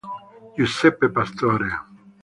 Giuseppe Pastore